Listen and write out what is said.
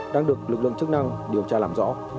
đang được lực lượng chức năng điều tra làm rõ